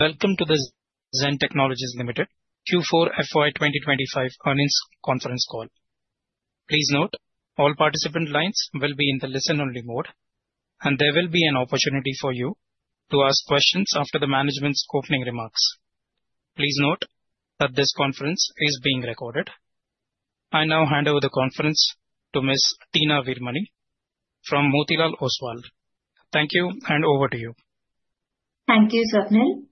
Welcome to the Zen Technologies Limited Q4 FY2025 Earnings Conference Call. Please note all participant lines will be in the listen-only mode, and there will be an opportunity for you to ask questions after the management's opening remarks. Please note that this conference is being recorded. I now hand over the conference to Ms. Tina Virmani from Motilal Oswal. Thank you, and over to you. Thank you, Swapnil.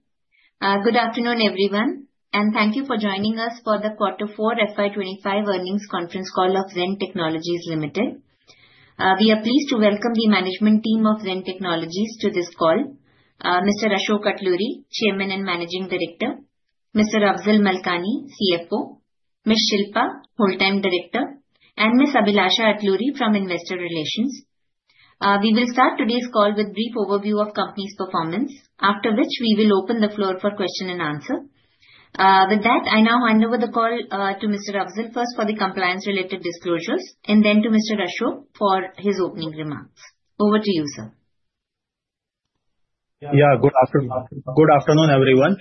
Good afternoon, everyone, and thank you for joining us for the quarter four FY2025 earnings conference call of Zen Technologies Limited. We are pleased to welcome the management team of Zen Technologies to this call: Mr. Ashok Atluri, Chairman and Managing Director, Mr. Afzal Malkani, CFO, Ms. Shilpa, Full-Time Director, and Ms. Abhilasha Atluri from Investor Relations. We will start today's call with a brief overview of the company's performance, after which we will open the floor for questions and answers. With that, I now hand over the call to Mr. Afzal first for the compliance-related disclosures, and then to Mr. Ashok for his opening remarks. Over to you, sir. Yeah, good afternoon, everyone.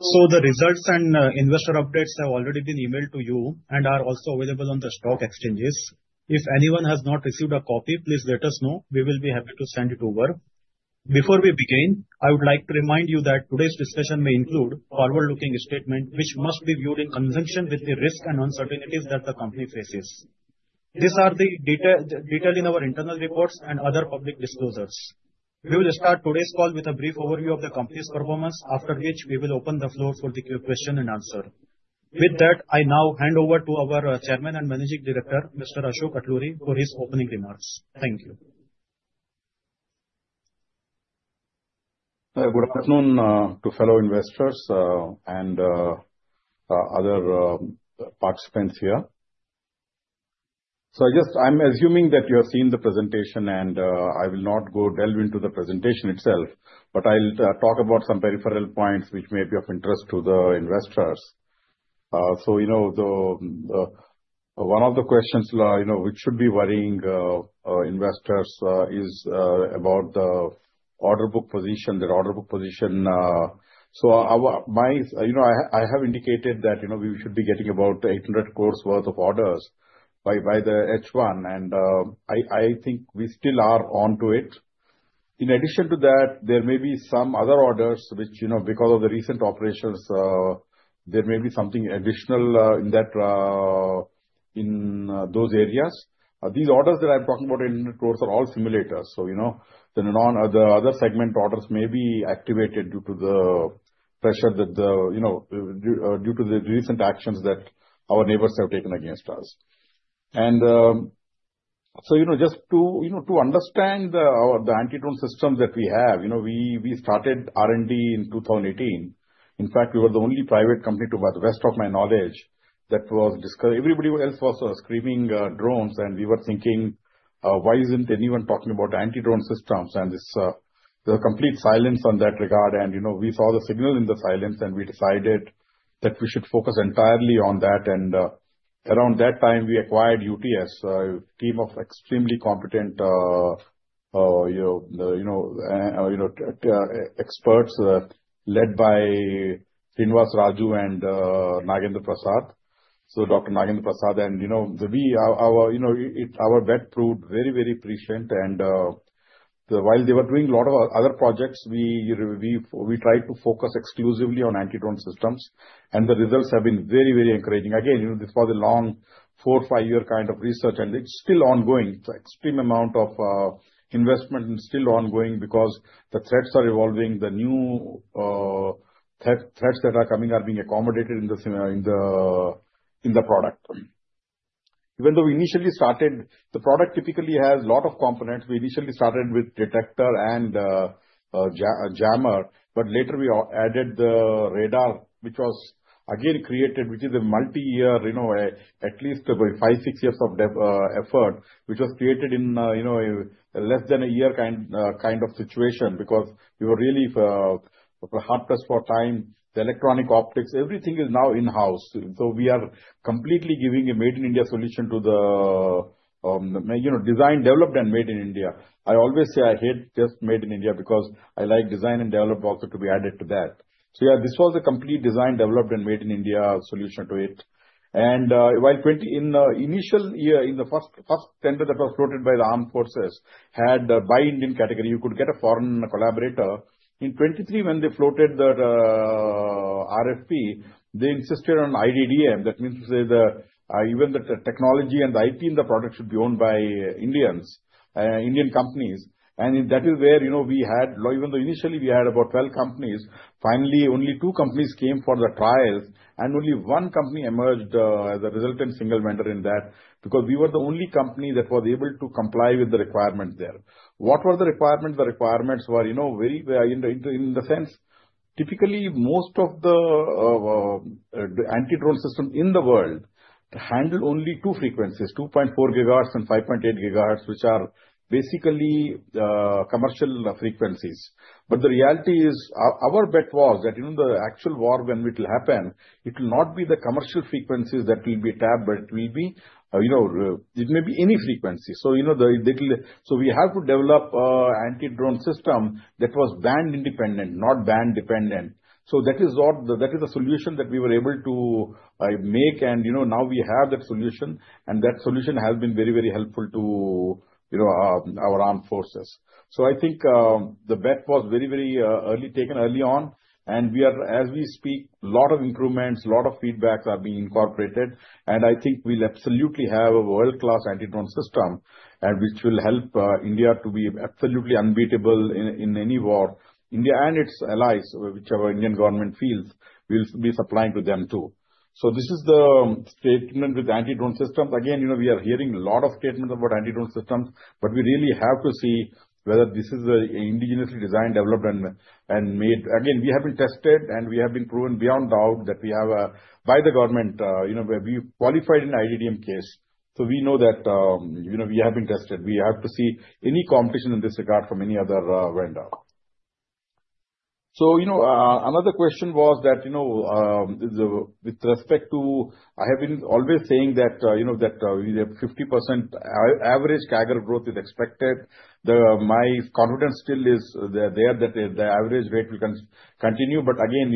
So the results and investor updates have already been emailed to you and are also available on the stock exchanges. If anyone has not received a copy, please let us know. We will be happy to send it over. Before we begin, I would like to remind you that today's discussion may include a forward-looking statement, which must be viewed in conjunction with the risks and uncertainties that the company faces. These are detailed in our internal reports and other public disclosures. We will start today's call with a brief overview of the company's performance, after which we will open the floor for questions and answers. With that, I now hand over to our Chairman and Managing Director, Mr. Ashok Atluri, for his opening remarks. Thank you. Good afternoon to fellow investors and other participants here. I'm assuming that you have seen the presentation, and I will not go delve into the presentation itself, but I'll talk about some peripheral points which may be of interest to the investors. One of the questions which should be worrying investors is about the order book position, their order book position. I have indicated that we should be getting about 800 crores' worth of orders by the H1, and I think we still are on to it. In addition to that, there may be some other orders which, because of the recent operations, there may be something additional in those areas. These orders that I'm talking about, INR 800 crores, are all simulators. The other segment orders may be activated due to the pressure due to the recent actions that our neighbors have taken against us. So just to understand the anti-drone systems that we have, we started R&D in 2018. In fact, we were the only private company, to the best of my knowledge, that was discussed. Everybody else was screaming drones, and we were thinking, "Why isn't anyone talking about anti-drone systems?" There was complete silence in that regard. We saw the signal in the silence, and we decided that we should focus entirely on that. Around that time, we acquired UTS, a team of extremely competent experts led by Srinivas Raju and Nagendra Prasad. Dr. Nagendra Prasad and our bet proved very, very prescient. While they were doing a lot of other projects, we tried to focus exclusively on anti-drone systems, and the results have been very, very encouraging. Again, this was a long four- or five-year kind of research, and it's still ongoing. It's an extreme amount of investment, and it's still ongoing because the threats are evolving. The new threats that are coming are being accommodated in the product. Even though we initially started, the product typically has a lot of components. We initially started with detector and jammer, but later we added the radar, which was again created, which is a multi-year, at least five, six years of effort, which was created in less than a year kind of situation because we were really hard-pressed for time. The electro-optics, everything is now in-house, so we are completely giving a made-in-India solution to the design, developed, and made in India. I always say I hate just made in India because I like design and developed also to be added to that, so yeah, this was a complete design, developed, and made in India solution to it. While in the initial year, in the first tender that was floated by the armed forces, had by Indian category, you could get a foreign collaborator. In 2023, when they floated the RFP, they insisted on IDDM. That means to say that even the technology and the IP in the product should be owned by Indian companies. And that is where we had, even though initially we had about 12 companies, finally only two companies came for the trials, and only one company emerged as a resultant single vendor in that because we were the only company that was able to comply with the requirements there. What were the requirements? The requirements were very, in the sense, typically most of the anti-drone systems in the world handle only two frequencies, 2.4 GHz and 5.8 GHz, which are basically commercial frequencies. But the reality is our bet was that in the actual war, when it will happen, it will not be the commercial frequencies that will be tapped, but it will be, it may be any frequency. So we have to develop an anti-drone system that was band-independent, not band-dependent. So that is the solution that we were able to make, and now we have that solution, and that solution has been very, very helpful to our armed forces. So I think the bet was very, very early taken early on, and as we speak, a lot of improvements, a lot of feedbacks are being incorporated, and I think we'll absolutely have a world-class anti-drone system which will help India to be absolutely unbeatable in any war. India and its allies, whichever Indian government fields, will be supplying to them too. So this is the statement with anti-drone systems. Again, we are hearing a lot of statements about anti-drone systems, but we really have to see whether this is indigenously designed, developed, and made. Again, we have been tested, and we have been proven beyond doubt that we have, by the government, we qualified in IDDM case. So we know that we have been tested. We have to see any competition in this regard from any other vendor. So another question was that with respect to, I have been always saying that we have 50% average CAGR growth is expected. My confidence still is there that the average rate will continue. But again,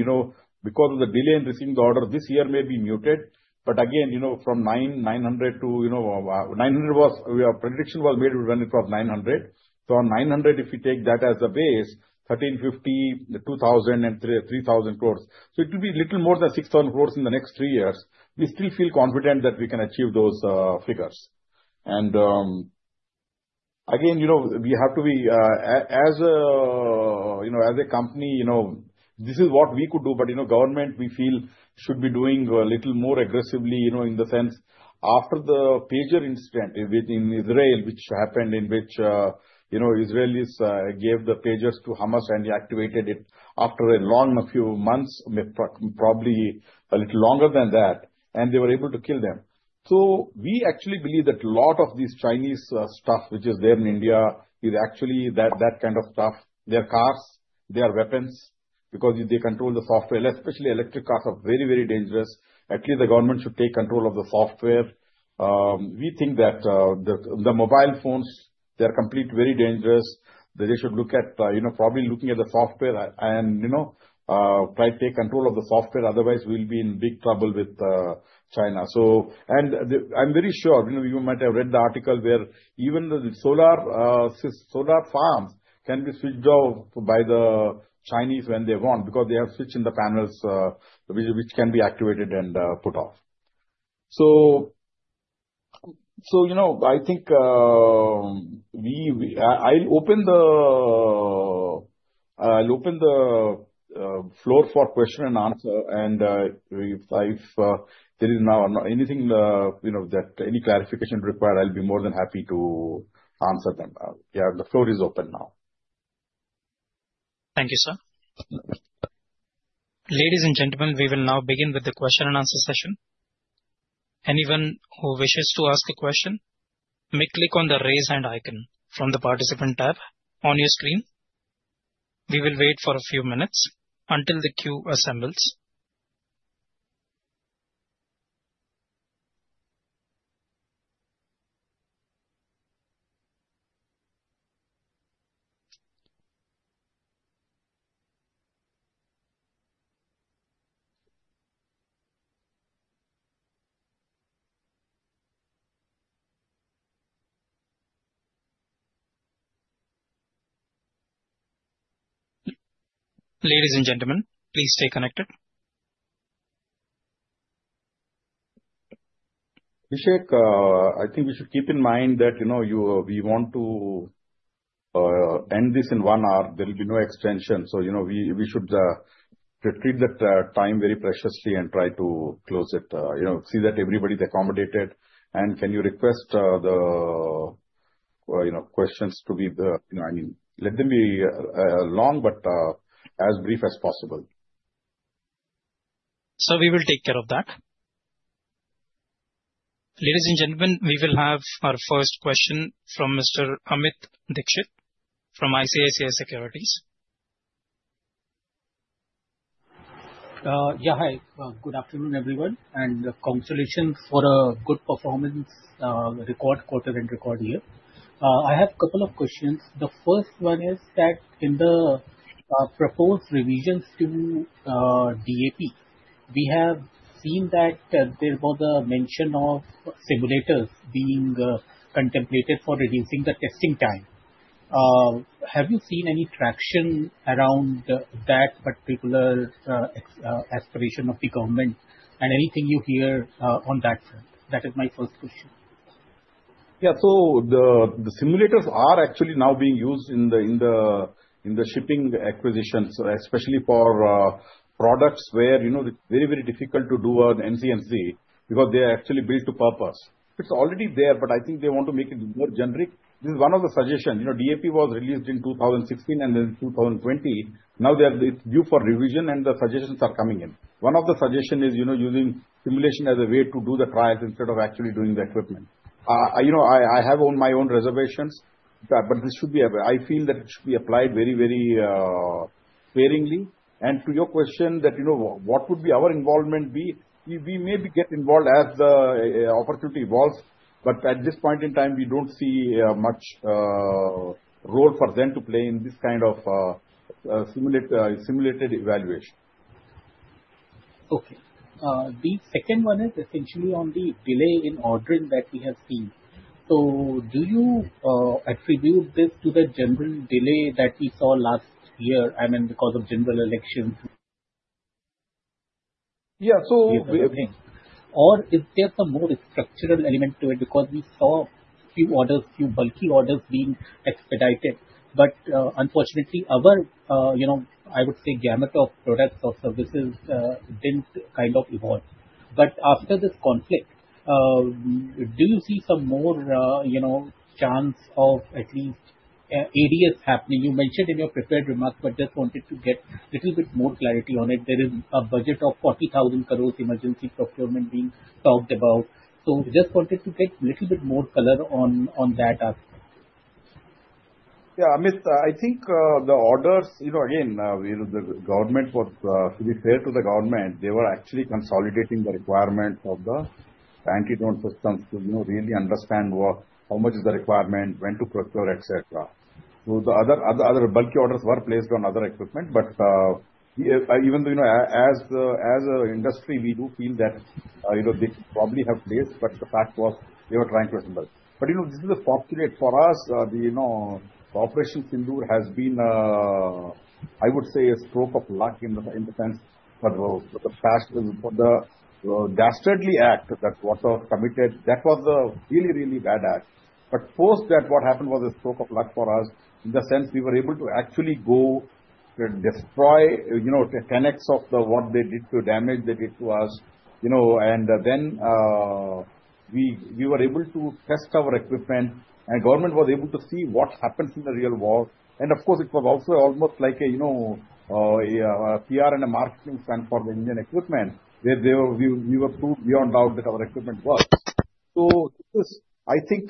because of the delay in receiving the order, this year may be muted. But again, from 900 to 900, our prediction was made to run across 900. So on 900, if you take that as a base, 13, 50, 2,000, and 3,000 crores. So it will be a little more than 6,000 crores in the next three years. We still feel confident that we can achieve those figures. And again, we have to be, as a company, this is what we could do, but government, we feel, should be doing a little more aggressively in the sense after the pager incident in Israel, which happened in which Israelis gave the pagers to Hamas and activated it after a long few months, probably a little longer than that, and they were able to kill them. So we actually believe that a lot of this Chinese stuff, which is there in India, is actually that kind of stuff. Their cars, their weapons, because they control the software, especially electric cars are very, very dangerous. Actually, the government should take control of the software. We think that the mobile phones, they're completely very dangerous. They should look at, probably looking at the software and try to take control of the software. Otherwise, we'll be in big trouble with China. And I'm very sure you might have read the article where even the solar farms can be switched off by the Chinese when they want because they have switched in the panels which can be activated and put off. So I think I'll open the floor for question and answer, and if there is now anything that any clarification required, I'll be more than happy to answer them. Yeah, the floor is open now. Thank you, sir. Ladies and gentlemen, we will now begin with the question and answer session. Anyone who wishes to ask a question, may click on the raise hand icon from the participant tab on your screen. We will wait for a few minutes until the queue assembles. Ladies and gentlemen, please stay connected. Vishek, I think we should keep in mind that we want to end this in one hour. There will be no extension. So we should treat that time very preciously and try to close it. See that everybody's accommodated. And can you request the questions to be, I mean, let them be long, but as brief as possible. So we will take care of that. Ladies and gentlemen, we will have our first question from Mr. Amit Dixit from ICICI Securities. Yeah, hi. Good afternoon, everyone, and congratulations for a good performance record quarter and record year. I have a couple of questions. The first one is that in the proposed revisions to DAP, we have seen that there was a mention of simulators being contemplated for reducing the testing time. Have you seen any traction around that particular aspiration of the government and anything you hear on that front? That is my first question. Yeah, so the simulators are actually now being used in the shipping acquisitions, especially for products where it's very, very difficult to do an NCNC because they are actually built to purpose. It's already there, but I think they want to make it more generic. This is one of the suggestions. DAP was released in 2016 and then 2020. Now it's due for revision, and the suggestions are coming in. One of the suggestions is using simulation as a way to do the trials instead of actually doing the equipment. I have my own reservations, but I feel that it should be applied very, very sparingly. And to your question that what would be our involvement be, we may get involved as the opportunity evolves, but at this point in time, we don't see much role for them to play in this kind of simulated evaluation. Okay. The second one is essentially on the delay in ordering that we have seen. So do you attribute this to the general delay that we saw last year, I mean, because of general elections? Yeah, so. Or is there some more structural element to it because we saw a few orders, a few bulky orders being expedited? But unfortunately, our, I would say, gamut of products or services didn't kind of evolve. But after this conflict, do you see some more chance of at least ADS happening? You mentioned in your prepared remarks, but just wanted to get a little bit more clarity on it. There is a budget of 40,000 crores emergency procurement being talked about. So just wanted to get a little bit more color on that aspect. Yeah, Amit, I think the orders, again, the government, to be fair to the government, they were actually consolidating the requirement of the anti-drone systems to really understand how much is the requirement, when to procure, etc. So the other bulky orders were placed on other equipment, but even though as an industry, we do feel that they probably have placed, but the fact was they were trying to assemble. But this is a fortunate for us. The Operation Sindoor has been, I would say, a stroke of luck in the sense for the Dastardly Act that was committed. That was a really, really bad act. But post that, what happened was a stroke of luck for us in the sense we were able to actually go destroy 10x of what they did to damage they did to us. Then we were able to test our equipment, and government was able to see what happens in the real world. Of course, it was also almost like a PR and a marketing span for the Indian equipment. We were proved beyond doubt that our equipment was. I think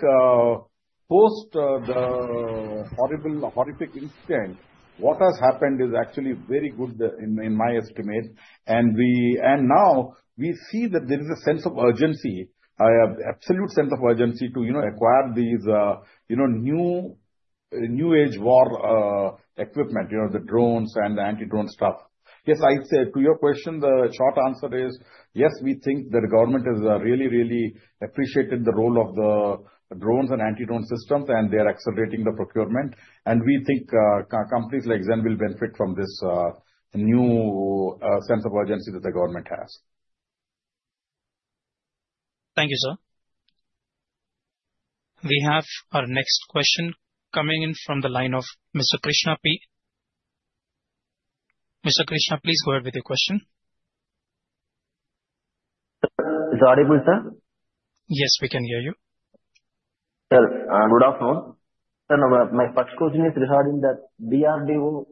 post the horrific incident, what has happened is actually very good in my estimate. Now we see that there is a sense of urgency, absolute sense of urgency to acquire these new age war equipment, the drones and the anti-drone stuff. Yes, I'd say to your question, the short answer is yes, we think that government has really, really appreciated the role of the drones and anti-drone systems, and they're accelerating the procurement. We think companies like Zen will benefit from this new sense of urgency that the government has. Thank you, sir. We have our next question coming in from the line of Mr. Krishna P. Mr. Krishna, please go ahead with your question. Is that audible, sir? Yes, we can hear you. Sir, I'm Rudolf Noah. Sir, my first question is regarding that DRDO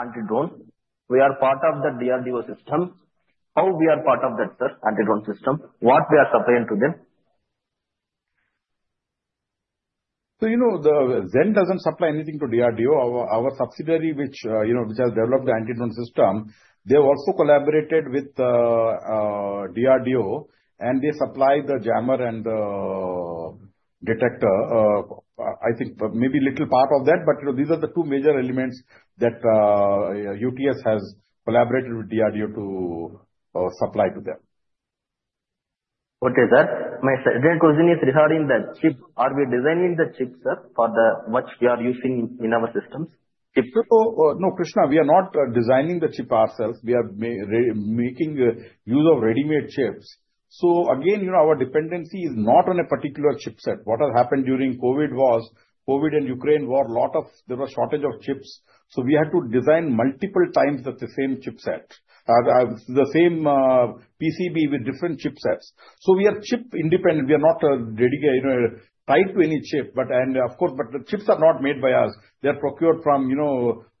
anti-drone. We are part of the DRDO system. How we are part of that, sir, anti-drone system? What we are supplying to them? So Zen doesn't supply anything to DRDO. Our subsidiary, which has developed the anti-drone system, they also collaborated with DRDO, and they supply the jammer and the detector. I think maybe a little part of that, but these are the two major elements that UTS has collaborated with DRDO to supply to them. Okay, sir. My second question is regarding the chip. Are we designing the chip, sir, for what we are using in our systems? No, Krishna, we are not designing the chip ourselves. We are making use of ready-made chips. So again, our dependency is not on a particular chipset. What has happened during COVID was COVID and Ukraine war, a lot of there was a shortage of chips. So we had to design multiple times the same chipset, the same PCB with different chipsets. So we are chip independent. We are not tied to any chip, and of course, but the chips are not made by us. They are procured from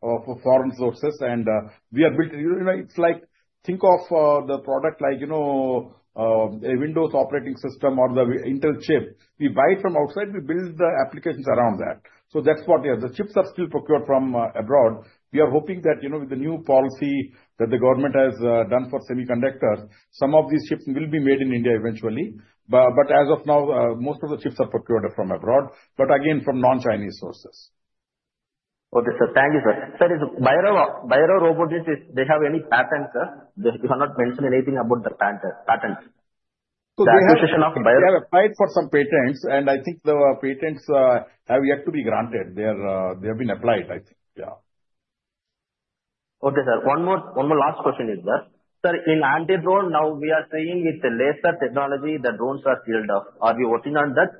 foreign sources, and we are built to it's like think of the product like a Windows operating system or the Intel chip. We buy it from outside. We build the applications around that. So that's what we have. The chips are still procured from abroad. We are hoping that with the new policy that the government has done for semiconductors, some of these chips will be made in India eventually. But as of now, most of the chips are procured from abroad, but again, from non-Chinese sources. Okay, sir. Thank you, sir. Sir, is Bhairava Robotics, they have any patent, sir? They have not mentioned anything about the patent. They have applied for some patents, and I think the patents have yet to be granted. They have been applied, I think. Yeah. Okay, sir. One more last question is, sir. Sir, in anti-drone, now we are seeing with laser technology, the drones are killed off. Are you working on that?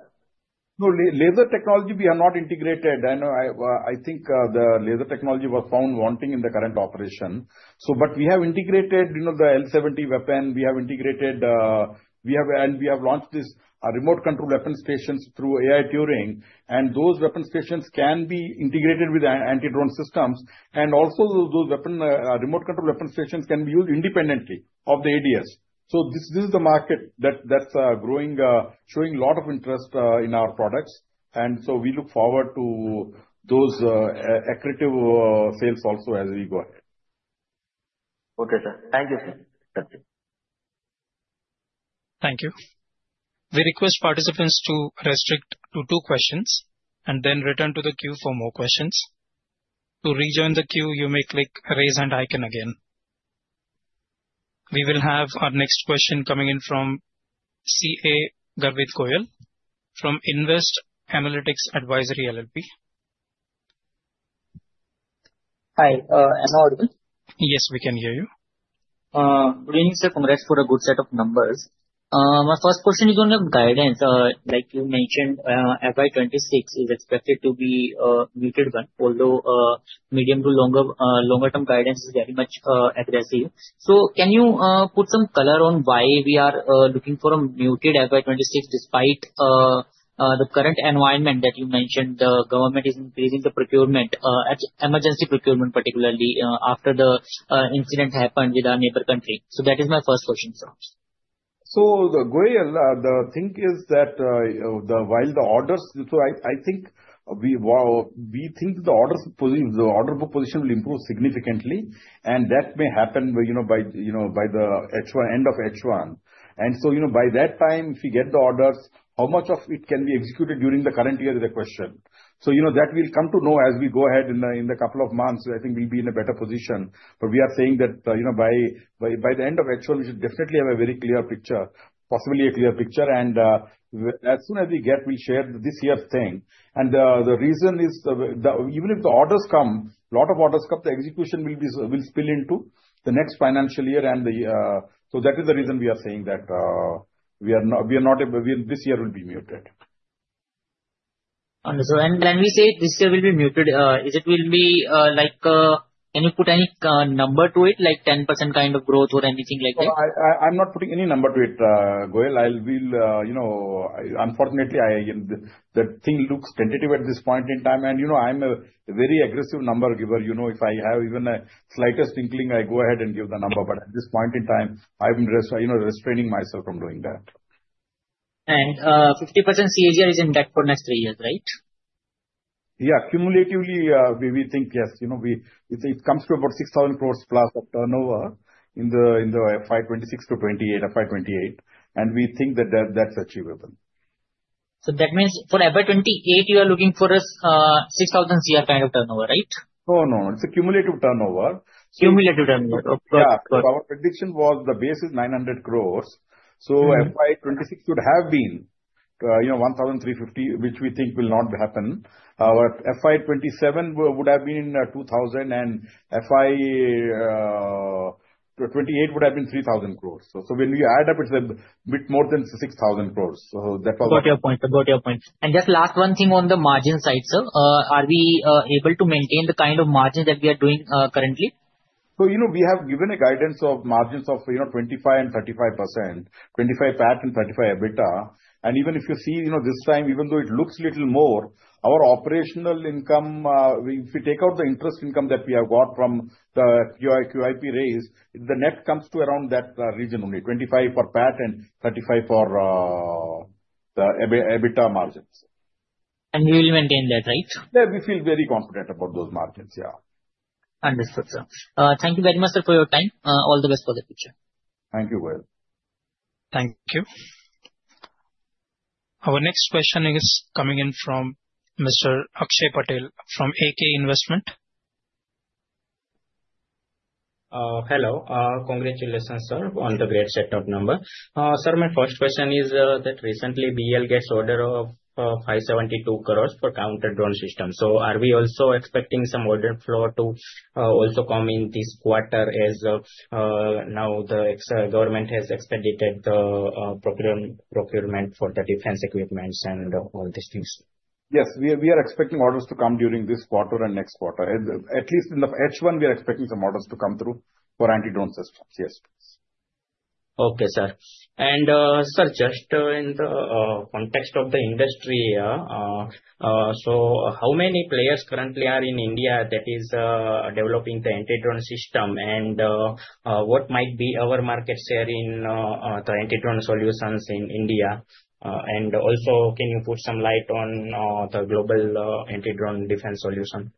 No, laser technology we have not integrated. I think the laser technology was found wanting in the current operation, but we have integrated the L70 weapon. We have integrated, and we have launched this remote control weapon stations through AI Turing, and those weapon stations can be integrated with anti-drone systems. And also, those remote control weapon stations can be used independently of the ADS. So this is the market that's showing a lot of interest in our products, and so we look forward to those accretive sales also as we go ahead. Okay, sir. Thank you, sir. Thank you. We request participants to restrict to two questions and then return to the queue for more questions. To rejoin the queue, you may click raise hand icon again. We will have our next question coming in from CA Garbhit Goyal from Invest Analytics Advisory LLP. Hi. Am I audible? Yes, we can hear you. Good evening, sir. Congrats for a good set of numbers. My first question is on guidance. Like you mentioned, FY2026 is expected to be a muted one, although medium to longer-term guidance is very much aggressive. So can you put some color on why we are looking for a muted FY2026 despite the current environment that you mentioned? The government is increasing the procurement, emergency procurement, particularly after the incident happened with our neighbor country. So that is my first question, sir. Goyal, the thing is that while the orders, I think the order book position will improve significantly, and that may happen by the end of H1. By that time, if we get the orders, how much of it can be executed during the current year is a question. That will come to know as we go ahead in the couple of months. I think we'll be in a better position. We are saying that by the end of H1, we should definitely have a very clear picture, possibly a clear picture. As soon as we get, we'll share this year's thing. The reason is even if the orders come, a lot of orders come, the execution will spill into the next financial year. That is the reason we are saying that this year will be muted. When we say this year will be muted, is it will be like, can you put any number to it, like 10% kind of growth or anything like that? I'm not putting any number to it, Goyal. Unfortunately, the thing looks tentative at this point in time, and I'm a very aggressive number giver. If I have even a slightest inkling, I go ahead and give the number, but at this point in time, I'm restraining myself from doing that. 50% CAGR is indexed for next three years, right? Yeah, cumulatively, we think yes. It comes to about 6,000 crores plus of turnover in the FY2026 to FY2028. And we think that that's achievable. So that means for FY2028, you are looking for a 6,000 CR kind of turnover, right? No, no. It's a cumulative turnover. Cumulative turnover. Yeah. Our prediction was the base is 900 crores. So FY2026 would have been 1,350, which we think will not happen. Our FY2027 would have been 2,000, and FY2028 would have been 3,000 crores. So when we add up, it's a bit more than 6,000 crores. So that was. Got your point. Got your point. And just last one thing on the margin side, sir. Are we able to maintain the kind of margins that we are doing currently? We have given a guidance of margins of 25% and 35%, 25% PAT and 35% EBITDA. Even if you see this time, even though it looks a little more, our operational income, if we take out the interest income that we have got from the QIP raise, the net comes to around that region only, 25% for PAT and 35% for the EBITDA margins. You will maintain that, right? Yeah, we feel very confident about those margins. Yeah. Understood, sir. Thank you very much, sir, for your time. All the best for the future. Thank you, Goyal. Thank you. Our next question is coming in from Mr. Akshay Patel from A.K. Capital. Hello. Congratulations, sir, on the great setup number. Sir, my first question is that recently BEL gets order of 572 crores for counter drone systems. So are we also expecting some order flow to also come in this quarter as now the government has expedited the procurement for the defense equipments and all these things? Yes, we are expecting orders to come during this quarter and next quarter. At least in the H1, we are expecting some orders to come through for anti-drone systems. Yes. Okay, sir. And, sir, just in the context of the industry, so how many players currently are in India that is developing the anti-drone system? And what might be our market share in the anti-drone solutions in India? And also, can you put some light on the global anti-drone defense solution?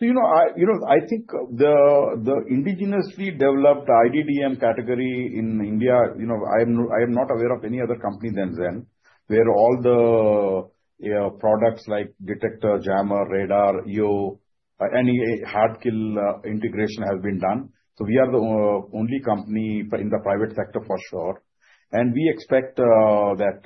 So, I think, in the indigenously developed IDDM category in India, I am not aware of any other company than Zen where all the products like detector, jammer, radar, EO, any hard kill integration has been done. So we are the only company in the private sector for sure. And we expect that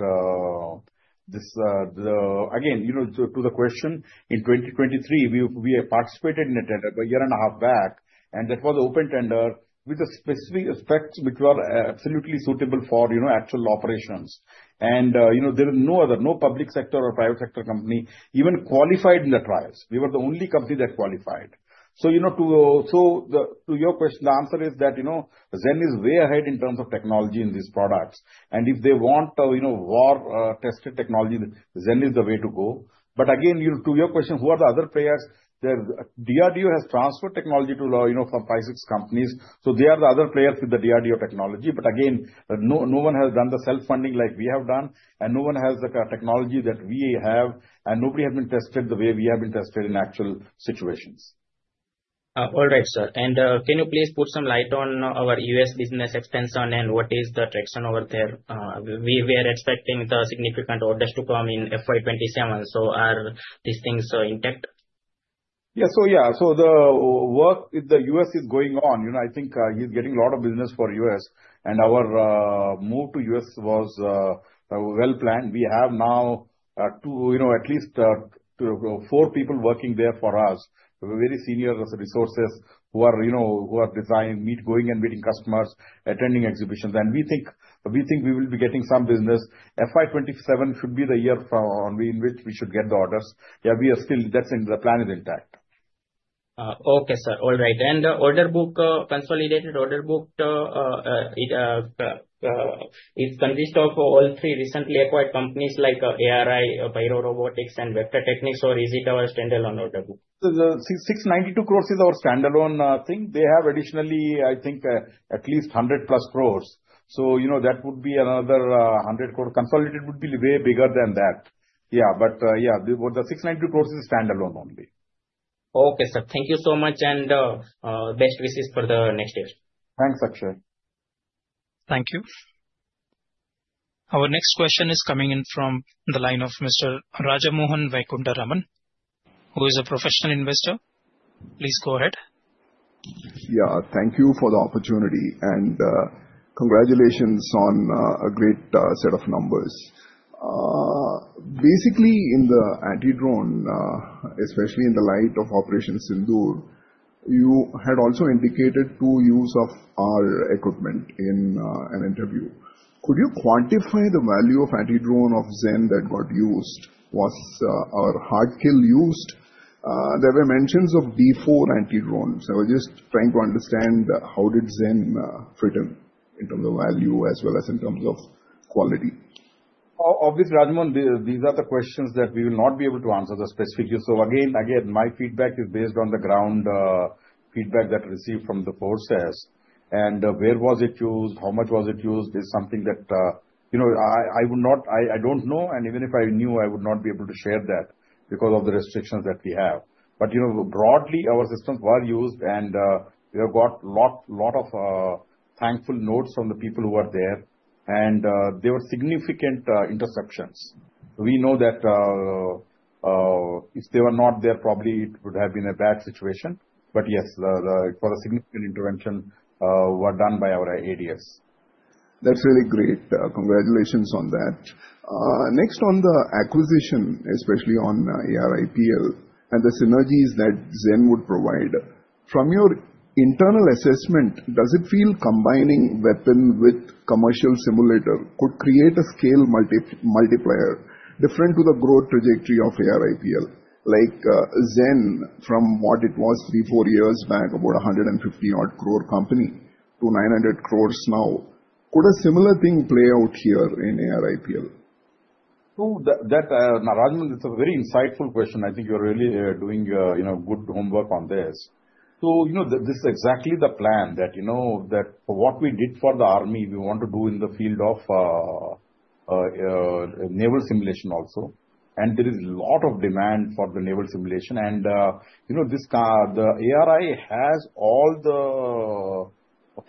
again, to the question, in 2023, we participated in a tender a year and a half back, and that was an open tender with the specifications which were absolutely suitable for actual operations. And there is no other, no public sector or private sector company even qualified in the trials. We were the only company that qualified. So to your question, the answer is that Zen is way ahead in terms of technology in these products. And if they want war tested technology, Zen is the way to go. But again, to your question, who are the other players? DRDO has transferred technology from 56 companies. So they are the other players with the DRDO technology. But again, no one has done the self-funding like we have done, and no one has the technology that we have, and nobody has been tested the way we have been tested in actual situations. All right, sir. And can you please put some light on our U.S. business expansion and what is the traction over there? We are expecting the significant orders to come in FY2027. So are these things intact? Yeah. So, yeah. So, the work with the U.S. is going on. I think he's getting a lot of business for the U.S. And our move to the U.S. was well planned. We have now at least four people working there for us, very senior resources who are dedicated, going and meeting customers, attending exhibitions. And we think we will be getting some business. FY2027 should be the year in which we should get the orders. Yeah, the plan is intact. Okay, sir. All right. And the order book, consolidated order book, is consisting of all three recently acquired companies like ARI, BYRO Robotics, and Vectra AI or is it our standalone order book? The 692 crores is our standalone thing. They have additionally, I think, at least 100 plus crores. So that would be another 100 crores. Consolidated would be way bigger than that. Yeah. But yeah, the 692 crores is standalone only. Okay, sir. Thank you so much, and best wishes for the next year. Thanks, Akshay. Thank you. Our next question is coming in from the line of Mr. Rajamohan Vaikunda Raman, who is a professional investor. Please go ahead. Yeah. Thank you for the opportunity. And congratulations on a great set of numbers. Basically, in the anti-drone, especially in the light of Operation Sindhur, you had also indicated two use of our equipment in an interview. Could you quantify the value of anti-drone of Zen that got used? Was our hard kill used? There were mentions of D4 anti-drones. I was just trying to understand how did Zen fit in terms of value as well as in terms of quality? Obviously, Rajamohan, these are the questions that we will not be able to answer the specific use. So again, my feedback is based on the ground feedback that I received from the forces. And where was it used? How much was it used? Is something that I don't know. And even if I knew, I would not be able to share that because of the restrictions that we have. But broadly, our systems were used, and we have got a lot of thankful notes from the people who were there. And there were significant interceptions. We know that if they were not there, probably it would have been a bad situation. But yes, for a significant intervention were done by our ADS. That's really great. Congratulations on that. Next, on the acquisition, especially on ARIPL and the synergies that Zen would provide. From your internal assessment, does it feel combining weapon with commercial simulator could create a scale multiplier different to the growth trajectory of ARIPL? Like Zen from what it was three, four years back, about 150-odd crore company to 900 crores now, could a similar thing play out here in ARIPL? So Rajamohan, it's a very insightful question. I think you're really doing good homework on this. So this is exactly the plan that for what we did for the army, we want to do in the field of naval simulation also. And there is a lot of demand for the naval simulation. And the ARI has all the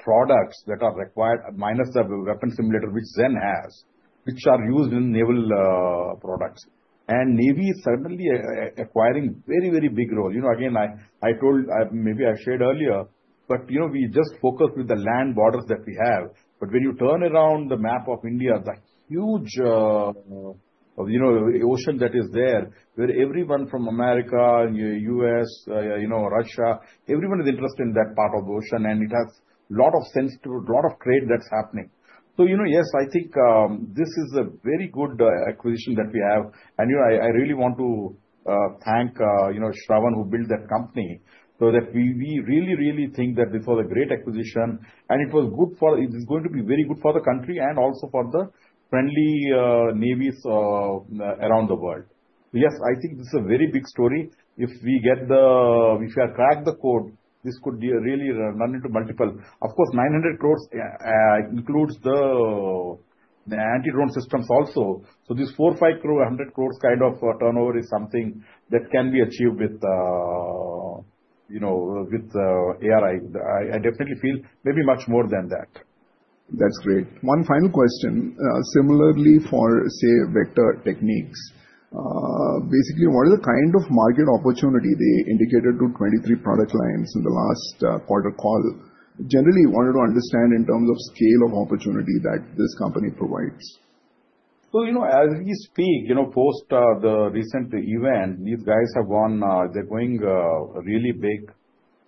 products that are required, minus the weapon simulator, which Zen has, which are used in naval products. And Navy is suddenly acquiring very, very big role. Again, I maybe shared earlier, but we just focus with the land borders that we have. But when you turn around the map of India, the huge ocean that is there, where everyone from America, US, Russia, everyone is interested in that part of the ocean. And it has a lot of sensitivity, a lot of trade that's happening. Yes, I think this is a very good acquisition that we have. And I really want to thank Shravan, who built that company, so that we really, really think that this was a great acquisition. And it was good for it is going to be very good for the country and also for the friendly navies around the world. Yes, I think this is a very big story. If we crack the code, this could really run into multiple. Of course, 900 crores includes the anti-drone systems also. So this 4-5 crore, 100 crores kind of turnover is something that can be achieved with ARI. I definitely feel maybe much more than that. That's great. One final question. Similarly, for, say, Vectra AI, basically, what is the kind of market opportunity they indicated to 23 product lines in the last quarter call? Generally, I wanted to understand in terms of scale of opportunity that this company provides. So as we speak, post the recent event, these guys have gone they're going really big.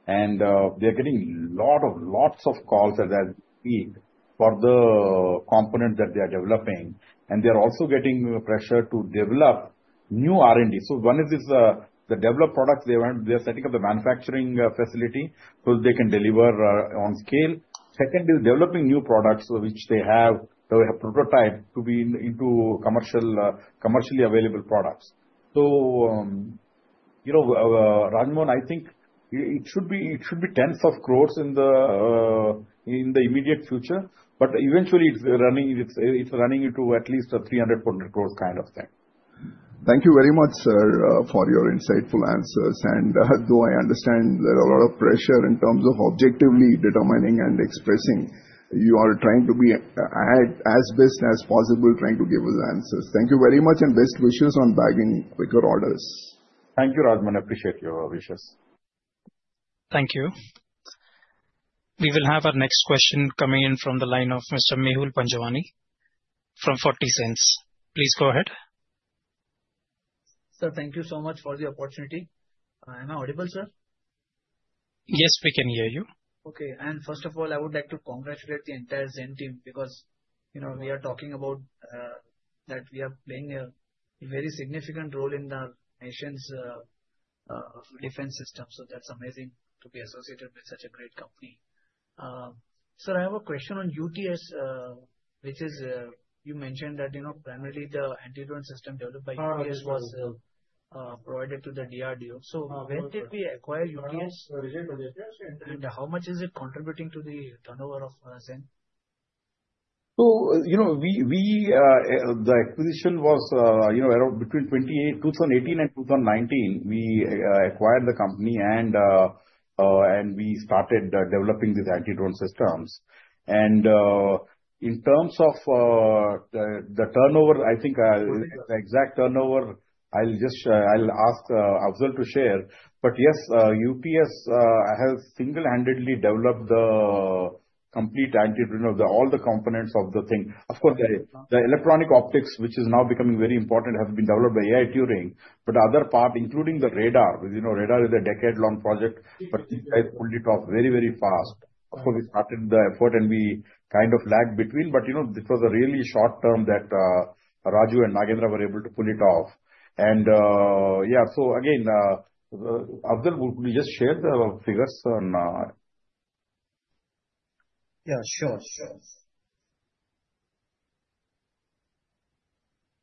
And they're getting a lot of calls at that speed for the component that they are developing. And they're also getting pressure to develop new R&D. So one is the develop products they are setting up the manufacturing facility so they can deliver on scale. Second is developing new products which they have prototype to be into commercially available products. So Rajamohan, I think it should be tens of crores in the immediate future. But eventually, it's running into at least 300 crores kind of thing. Thank you very much, sir, for your insightful answers, and though I understand there's a lot of pressure in terms of objectively determining and expressing, you are trying to be as best as possible, trying to give us answers. Thank you very much and best wishes on bagging quicker orders. Thank you, Rajamohan. I appreciate your wishes. Thank you. We will have our next question coming in from the line of Mr. Mehul Panjwani from 40 Cents. Please go ahead. Sir, thank you so much for the opportunity. Am I audible, sir? Yes, we can hear you. Okay. And first of all, I would like to congratulate the entire Zen team because we are talking about that we are playing a very significant role in our nation's defense system. So that's amazing to be associated with such a great company. Sir, I have a question on UTS, which is you mentioned that primarily the anti-drone system developed by UTS was provided to the DRDO. So when did we acquire UTS? And how much is it contributing to the turnover of Zen? So the acquisition was between 2018 and 2019. We acquired the company and we started developing these anti-drone systems. And in terms of the turnover, I think the exact turnover, I'll ask Afzal to share. But yes, UTS has single-handedly developed the complete anti-drone of all the components of the thing. Of course, the electronic optics, which is now becoming very important, has been developed by AI Turing. But the other part, including the radar, radar is a decade-long project, but UTS pulled it off very, very fast. Of course, we started the effort and we kind of lagged between. But this was a really short term that Raju and Nagendra were able to pull it off. And yeah. So again, Afzal, could you just share the figures? Yeah, sure. Sure.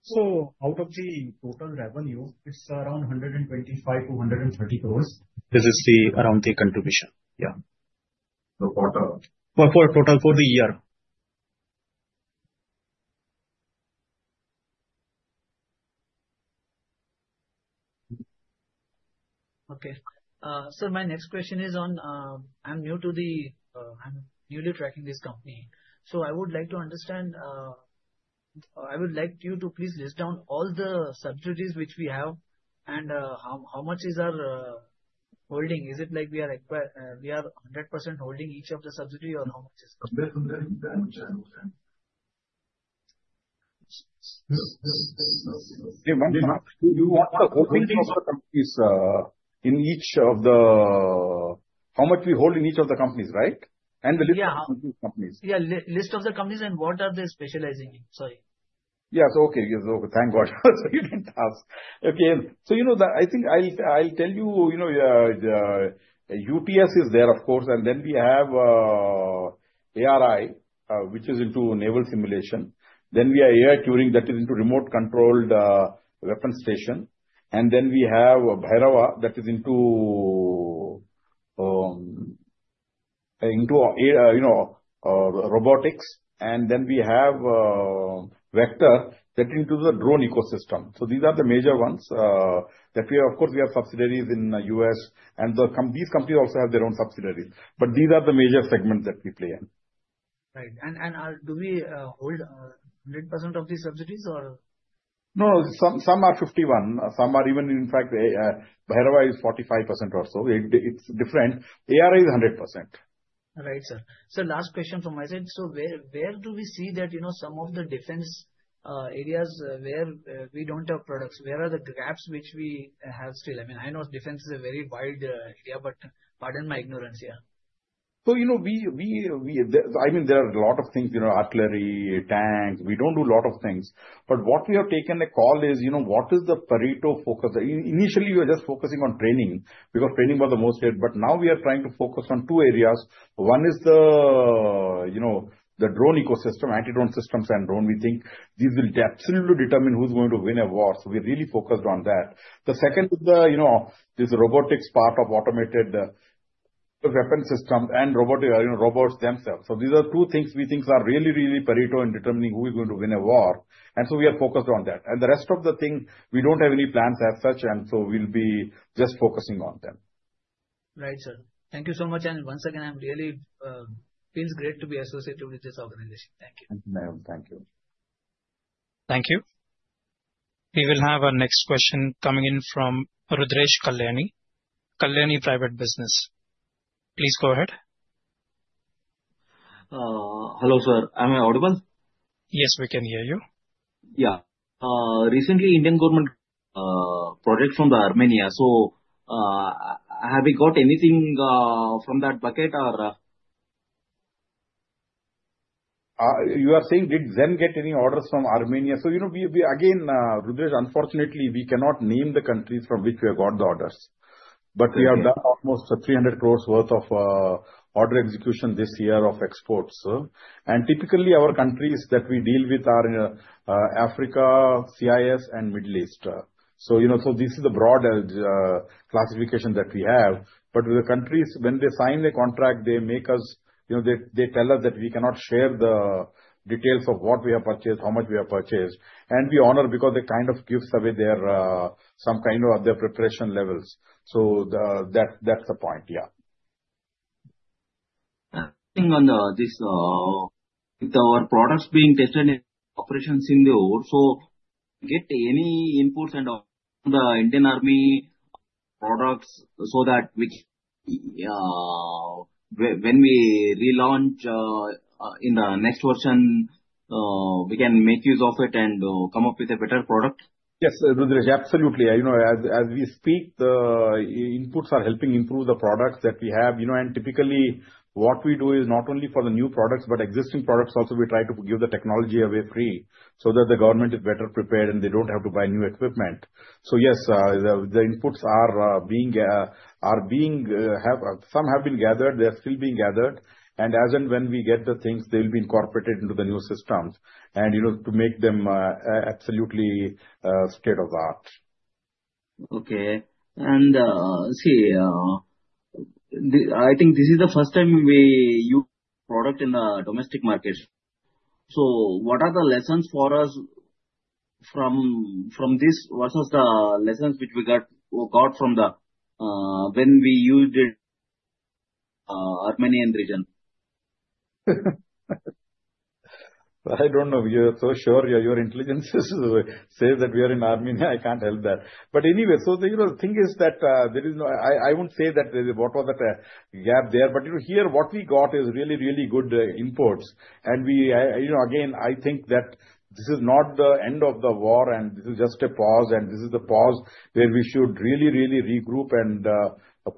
So out of the total revenue, it's around 125-130 crores. This is the round the contribution. Yeah. The quarter. For total for the year. Okay. So my next question is, I'm new to the company. I'm newly tracking this company. So I would like you to please list down all the subsidiaries which we have and how much is our holding. Is it like we are 100% holding each of the subsidiaries or how much is? Do you want the holding of the companies in each of the how much we hold in each of the companies, right? And the list of the companies. Yeah, list of the companies and what are they specializing in? Sorry. I think I'll tell you UTS is there, of course. And then we have ARI, which is into naval simulation. Then we have AI Turing that is into remote-controlled weapon station. And then we have Bhairava that is into robotics. And then we have Vectra that is into the drone ecosystem. So these are the major ones that we have. Of course, we have subsidiaries in the U.S. And these companies also have their own subsidiaries. But these are the major segments that we play in. Right, and do we hold 100% of these subsidiaries or? No, some are 51. Some are even in fact, BHAIRAVA is 45% or so. It's different. ARI is 100%. Right, sir. So last question from my side. So where do we see that some of the defense areas where we don't have products, where are the gaps which we have still? I mean, I know defense is a very wide area, but pardon my ignorance here. So, I mean, there are a lot of things, artillery, tanks. We don't do a lot of things. But what we have taken a call is what is the Pareto focus? Initially, we were just focusing on training because training was the most here. But now we are trying to focus on two areas. One is the drone ecosystem, anti-drone systems and drone. We think these will absolutely determine who's going to win a war. So we're really focused on that. The second is the robotics part of automated weapon systems and robots themselves. So these are two things we think are really, really Pareto in determining who is going to win a war. And so we are focused on that. And the rest of the thing, we don't have any plans as such. And so we'll be just focusing on them. Right, sir. Thank you so much. Once again, it feels great to be associated with this organization. Thank you. Thank you. Thank you. We will have our next question coming in from Rudresh Kalyani, Kalyani Private Business. Please go ahead. Hello, sir. Am I audible? Yes, we can hear you. Yeah. Recently, Indian government project from Armenia. So have we got anything from that bucket or? You are saying, "Did Zen get any orders from Armenia?" So again, Rudresh, unfortunately, we cannot name the countries from which we have got the orders. But we have done almost 300 crores worth of order execution this year of exports. And typically, our countries that we deal with are Africa, CIS, and Middle East. So this is the broad classification that we have. But with the countries, when they sign the contract, they make us. They tell us that we cannot share the details of what we have purchased, how much we have purchased. And we honor because they kind of give away some kind of their preparation levels. So that's the point, yeah. I think on this, with our products being tested in operations in the war, so get any inputs and the Indian Army products so that when we relaunch in the next version, we can make use of it and come up with a better product? Yes, Rudresh, absolutely. As we speak, the inputs are helping improve the products that we have. And typically, what we do is not only for the new products, but existing products also, we try to give the technology away free so that the government is better prepared and they don't have to buy new equipment. So yes, the inputs are being. Some have been gathered. They are still being gathered. And as and when we get the things, they will be incorporated into the new systems to make them absolutely state of the art. Okay and see, I think this is the first time we use product in the domestic market. So what are the lessons for us from this versus the lessons which we got from when we used it Armenian region? I don't know. You're so sure your intelligence says that we are in Armenia. I can't help that, but anyway, so the thing is that there is no. I won't say that there is what was that gap there, but here, what we got is really, really good inputs, and again, I think that this is not the end of the war and this is just a pause. This is the pause where we should really, really regroup and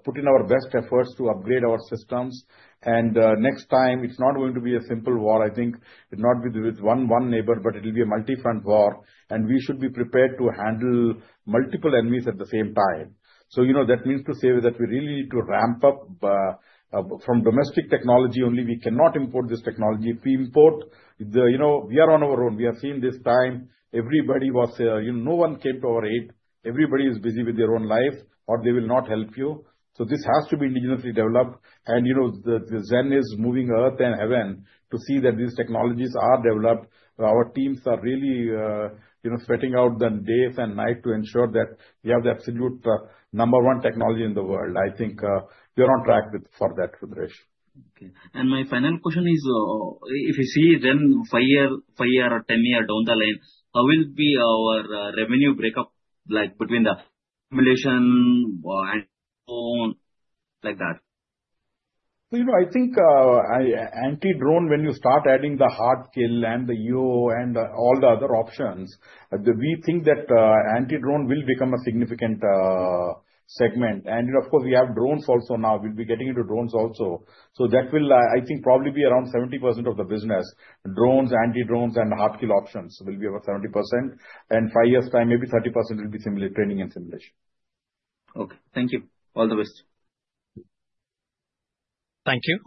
put in our best efforts to upgrade our systems, and next time, it's not going to be a simple war. I think it will not be with one neighbor, but it will be a multi-front war, and we should be prepared to handle multiple enemies at the same time, so that means to say that we really need to ramp up from domestic technology only. We cannot import this technology. If we import, we are on our own. We have seen this time. Everybody was, no one came to our aid. Everybody is busy with their own life, or they will not help you. So this has to be indigenously developed. And Zen is moving earth and heaven to see that these technologies are developed. Our teams are really sweating out the days and nights to ensure that we have the absolute number one technology in the world. I think we are on track for that, Rudresh. Okay. And my final question is, if you see Zen five years or ten years down the line, how will be our revenue breakup between the simulation and drone like that? So I think anti-drone, when you start adding the hard kill and the EO and all the other options, we think that anti-drone will become a significant segment. And of course, we have drones also now. We'll be getting into drones also. So that will, I think, probably be around 70% of the business. Drones, anti-drones, and hard kill options will be about 70%. And five years' time, maybe 30% will be training and simulation. Okay. Thank you. All the best. Thank you.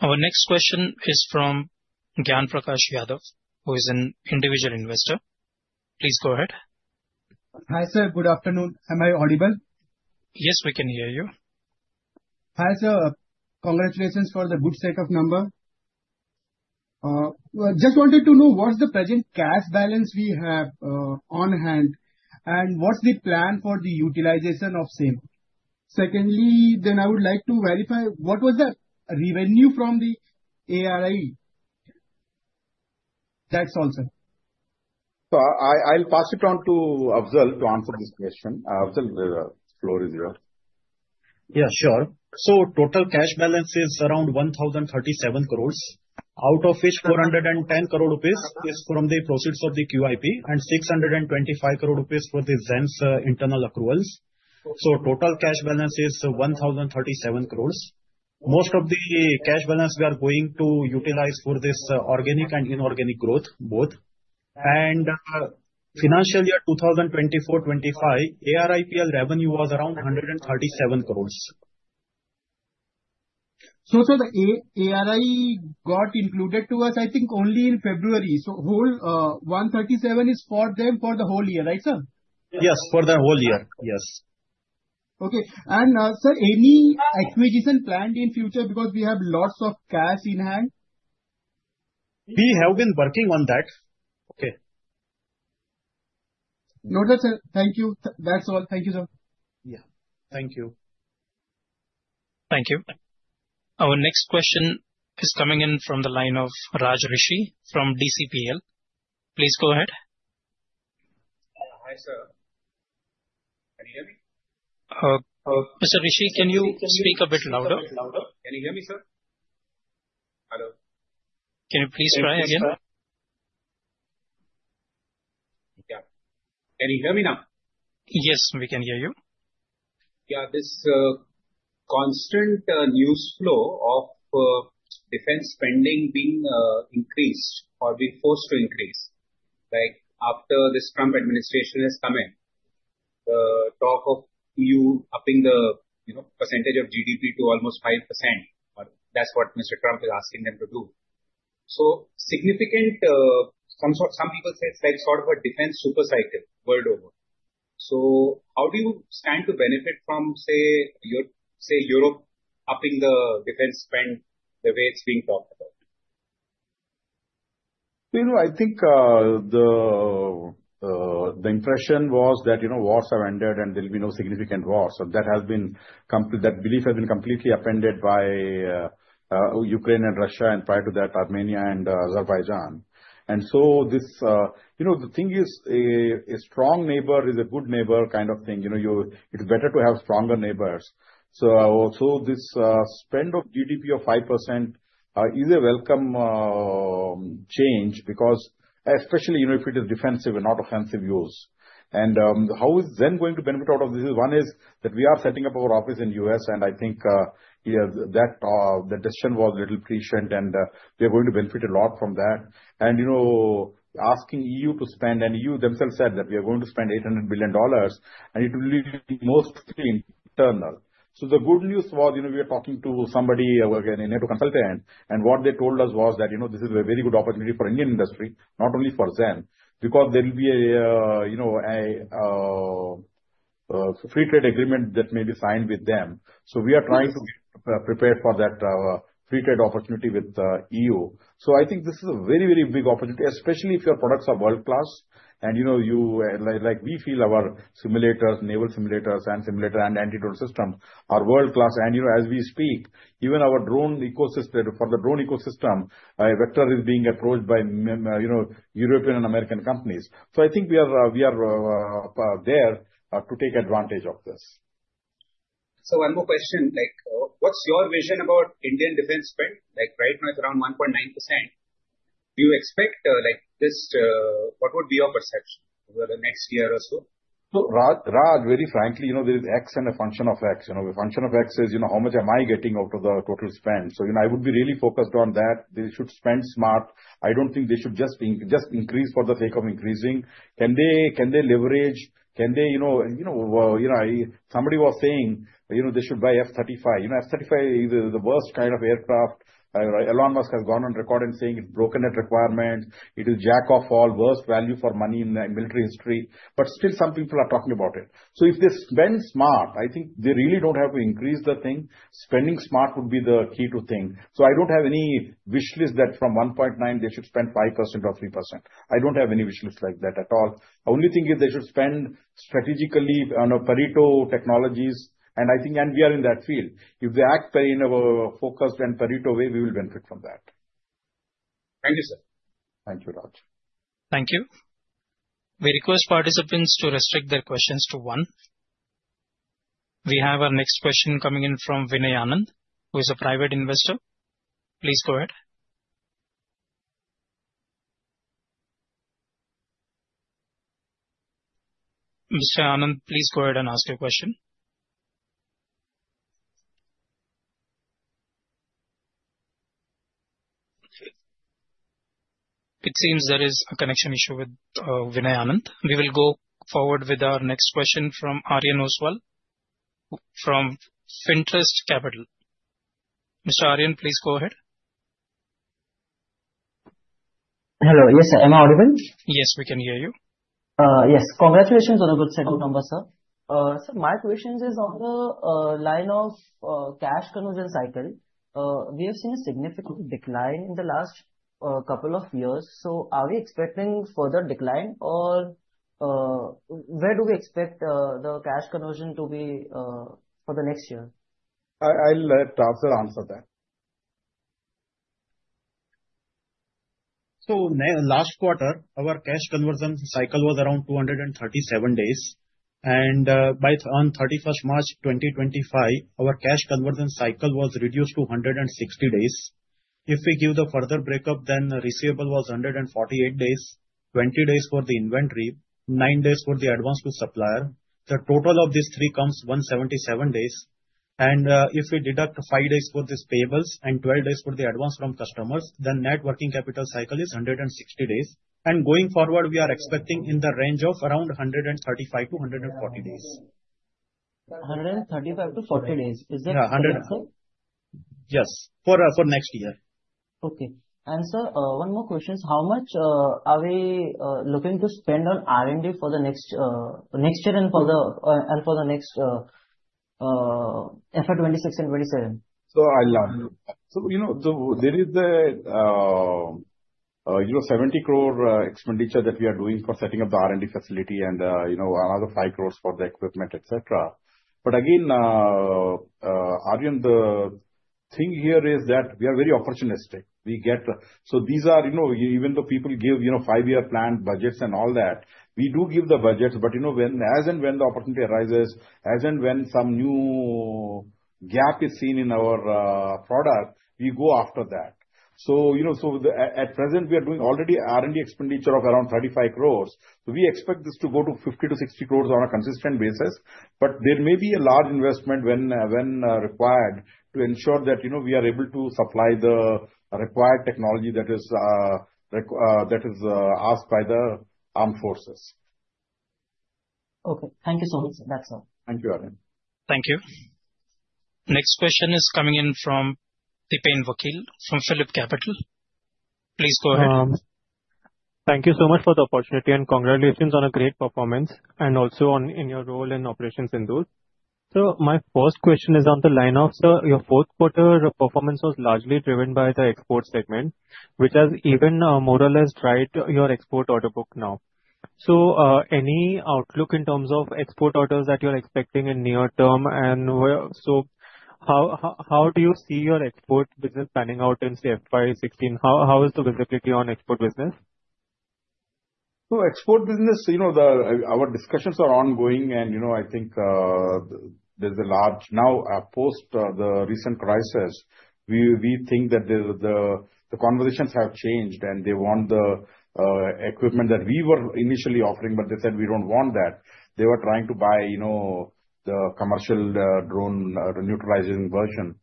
Our next question is from Gyanprakash Yadav, who is an individual investor. Please go ahead. Hi sir. Good afternoon. Am I audible? Yes, we can hear you. Hi sir. Congratulations for the good set of numbers. Just wanted to know what's the present cash balance we have on hand and what's the plan for the utilization of same. Secondly, then I would like to verify what was the revenue from the ARI. That's all, sir. So I'll pass it on to Afzal to answer this question. Afzal, the floor is yours. Yeah, sure. So total cash balance is around 1,037 crores, out of which 410 crore rupees is from the proceeds of the QIP and 625 crore rupees for the Zen's internal accruals. So total cash balance is 1,037 crores. Most of the cash balance we are going to utilize for this organic and inorganic growth, both. And financial year 2024-25, ARIPL revenue was around 137 crores. So, sir, the ARI got included to us, I think, only in February. So whole 137 is for them for the whole year, right, sir? Yes, for the whole year. Yes. Okay. And sir, any acquisition planned in future because we have lots of cash in hand? We have been working on that. Okay. Noted, sir. Thank you. That's all. Thank you, sir. Yeah. Thank you. Thank you. Our next question is coming in from the line of Raj Rishi from DCPL. Please go ahead. Hi, sir. Can you hear me? Mr. Rishi, can you speak a bit louder? Can you hear me, sir? Hello. Can you please try again? Yeah. Can you hear me now? Yes, we can hear you. Yeah. This constant news flow of defense spending being increased or being forced to increase after this Trump administration has come in. The talk of EU upping the percentage of GDP to almost 5%. That's what Mr. Trump is asking them to do. So significant, some people say it's like sort of a defense supercycle world over. So how do you stand to benefit from, say, Europe upping the defense spend the way it's being talked about? I think the impression was that wars have ended and there will be no significant wars. So that has been that belief has been completely upended by Ukraine and Russia and prior to that, Armenia and Azerbaijan. And so the thing is a strong neighbor is a good neighbor kind of thing. It's better to have stronger neighbors. So this spend of GDP of 5% is a welcome change because especially if it is defensive and not offensive use. And how is Zen going to benefit out of this? One is that we are setting up our office in the U.S., and I think that decision was a little prescient, and we are going to benefit a lot from that. And asking E.U. to spend, and E.U. themselves said that we are going to spend $800 billion, and it will be mostly internal. The good news was we were talking to somebody, again, a NATO consultant, and what they told us was that this is a very good opportunity for Indian industry, not only for Zen, because there will be a free trade agreement that may be signed with them. We are trying to prepare for that free trade opportunity with the EU. I think this is a very, very big opportunity, especially if your products are world-class. We feel our simulators, naval simulators, and anti-drone systems are world-class. As we speak, even our drone ecosystem, for the drone ecosystem, Vectra is being approached by European and American companies. I think we are there to take advantage of this. So one more question. What's your vision about Indian defense spend? Right now, it's around 1.9%. Do you expect this? What would be your perception over the next year or so? So, Raj, very frankly, there is X and a function of X. The function of X is how much am I getting out of the total spend? So I would be really focused on that. They should spend smart. I don't think they should just increase for the sake of increasing. Can they leverage? Can they? Somebody was saying they should buy F-35. F-35 is the worst kind of aircraft. Elon Musk has gone on record and saying it's broken at requirement. It is Jack of all, worst value for money in military history. But still, some people are talking about it. So if they spend smart, I think they really don't have to increase the thing. Spending smart would be the key to thing. So I don't have any wishlist that from 1.9%, they should spend 5% or 3%. I don't have any wishlist like that at all. The only thing is they should spend strategically on Pareto technologies. I think we are in that field. If they act in a focused and Pareto way, we will benefit from that. Thank you, sir. Thank you, Raj. Thank you. We request participants to restrict their questions to one. We have our next question coming in from Vinay Anand, who is a private investor. Please go ahead. Mr. Anand, please go ahead and ask your question. It seems there is a connection issue with Vinay Anand. We will go forward with our next question from Aryan Oswal from Finterest Capital. Mr. Aryan, please go ahead. Hello. Yes, sir. Am I audible? Yes, we can hear you. Yes. Congratulations on a good set of numbers, sir. Sir, my question is on the line of cash conversion cycle. We have seen a significant decline in the last couple of years. So are we expecting further decline or where do we expect the cash conversion to be for the next year? I'll let Afzal answer that. So last quarter, our cash conversion cycle was around 237 days. And on 31st March 2025, our cash conversion cycle was reduced to 160 days. If we give the further breakup, then the receivable was 148 days, 20 days for the inventory, nine days for the advance to supplier. The total of these three comes 177 days. And if we deduct 5 days for these payables and 12 days for the advance from customers, then net working capital cycle is 160 days. And going forward, we are expecting in the range of around 135 to 140 days. 135 to 40 days. Is that correct, sir? Yes. For next year. Okay. And sir, one more question. How much are we looking to spend on R&D for the next year and for the next FY2026 and FY2027? So there is the 70 crore expenditure that we are doing for setting up the R&D facility and another 5 crores for the equipment, etc. But again, Aryan, the thing here is that we are very opportunistic. So these are, even though people give five-year plan budgets and all that, we do give the budgets. But as and when the opportunity arises, as and when some new gap is seen in our product, we go after that. So at present, we are doing already R&D expenditure of around 35 crores. So we expect this to go to 50 to 60 crores on a consistent basis. But there may be a large investment when required to ensure that we are able to supply the required technology that is asked by the armed forces. Okay. Thank you so much. That's all. Thank you, Aryan. Thank you. Next question is coming in from Dipen Vakil from PhillipCapital. Please go ahead. Thank you so much for the opportunity and congratulations on a great performance and also in your role and operations in those. So my first question is along the lines of, sir, your fourth quarter performance was largely driven by the export segment, which has even more or less dried up your export order book now. So any outlook in terms of export orders that you're expecting in the near term? And so how do you see your export business panning out in, say, FY2026? How is the visibility on export business? So export business, our discussions are ongoing. And I think there's a large now post the recent crisis, we think that the conversations have changed and they want the equipment that we were initially offering, but they said we don't want that. They were trying to buy the commercial drone neutralizing version.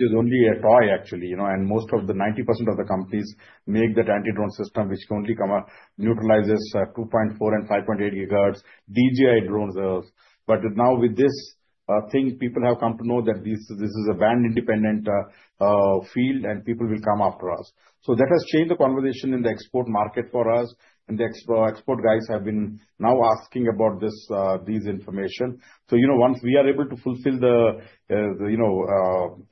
It was only a toy, actually. And most of the 90% of the companies make that anti-drone system, which only neutralizes 2.4 and 5.8 GHz DJI drones. But now with this thing, people have come to know that this is a band-independent field and people will come after us. So that has changed the conversation in the export market for us. And the export guys have been now asking about this information. So once we are able to fulfill the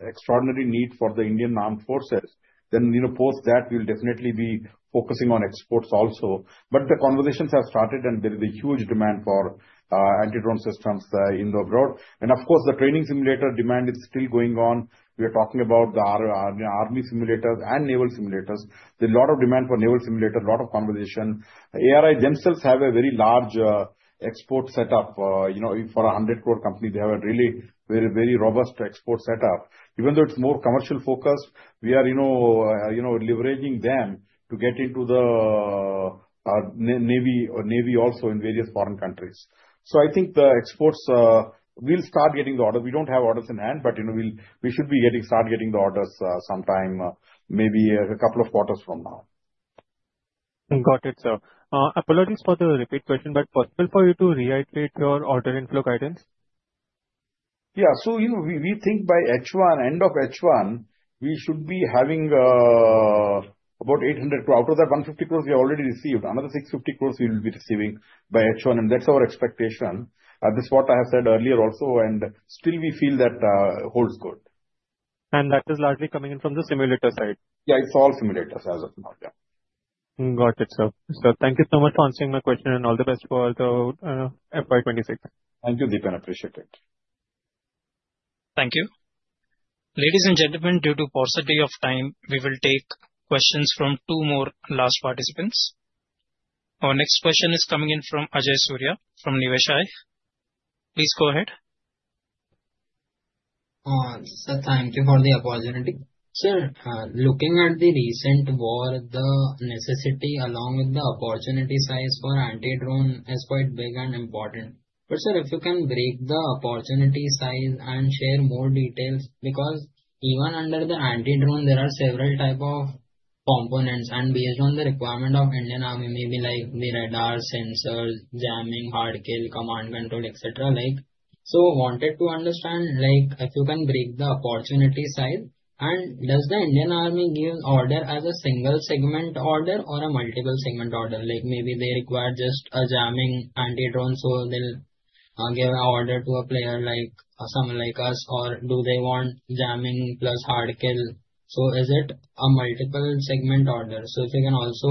extraordinary need for the Indian armed forces, then post that, we'll definitely be focusing on exports also. But the conversations have started and there is a huge demand for anti-drone systems abroad. And of course, the training simulator demand is still going on. We are talking about the army simulators and naval simulators. There's a lot of demand for naval simulators, a lot of conversation. ARI themselves have a very large export setup. For a 100-crore company, they have a really very robust export setup. Even though it's more commercial-focused, we are leveraging them to get into the navy also in various foreign countries. So I think the exports will start getting the orders. We don't have orders in hand, but we should be starting getting the orders sometime, maybe a couple of quarters from now. Got it, sir. Apologies for the repeat question, but possible for you to reiterate your order info guidance? Yeah. So we think by H1, end of H1, we should be having about 800 crores. Out of that 150 crores, we already received. Another 650 crores we will be receiving by H1. And that's our expectation. This is what I have said earlier also. And still, we feel that holds good. That is largely coming in from the simulator side. Yeah, it's all simulators, as of now, yeah. Got it, sir. Sir, thank you so much for answering my question and all the best for the FY2026. Thank you, Dipen. Appreciate it. Thank you. Ladies and gentlemen, due to paucity of time, we will take questions from two more last participants. Our next question is coming in from Ajay Surya from Niveshaay. Please go ahead. Sir, thank you for the opportunity. Sir, looking at the recent war, the necessity along with the opportunity size for anti-drone is quite big and important. But sir, if you can break the opportunity size and share more details, because even under the anti-drone, there are several types of components. And based on the requirement of Indian Army, maybe like the radar sensors, jamming, hard kill, command control, etc., so wanted to understand if you can break the opportunity size. And does the Indian Army give order as a single segment order or a multiple segment order? Maybe they require just a jamming anti-drone, so they'll give an order to a player like someone like us, or do they want jamming plus hard kill? So is it a multiple segment order? So if you can also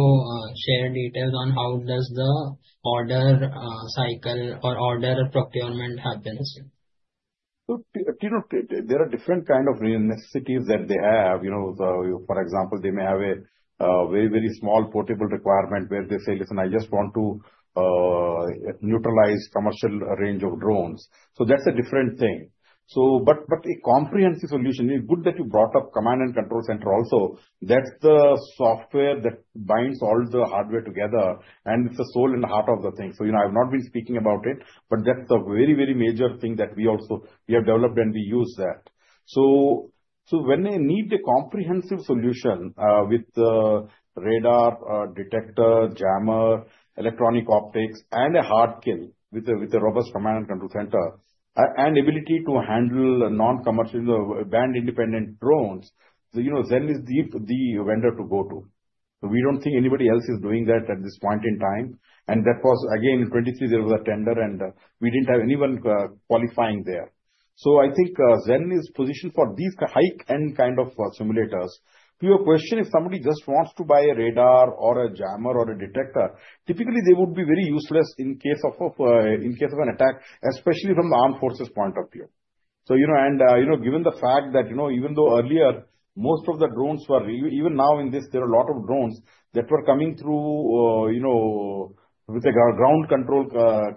share details on how does the order cycle or order procurement happens. So there are different kinds of necessities that they have. For example, they may have a very, very small portable requirement where they say, "Listen, I just want to neutralize commercial range of drones." So that's a different thing. But a comprehensive solution, good that you brought up command and control center also. That's the software that binds all the hardware together. And it's the soul and heart of the thing. So I've not been speaking about it, but that's the very, very major thing that we have developed and we use that. So when they need a comprehensive solution with radar, detector, jammer, electronic optics, and a hard kill with a robust command and control center and ability to handle non-commercial band-independent drones, Zen is the vendor to go to. So we don't think anybody else is doing that at this point in time. And that was, again, in 2023, there was a tender, and we didn't have anyone qualifying there. So I think Zen is positioned for these high-end kind of simulators. To your question, if somebody just wants to buy a radar or a jammer or a detector, typically they would be very useless in case of an attack, especially from the armed forces point of view. And given the fact that even though earlier, most of the drones were even now in this, there are a lot of drones that were coming through with a ground control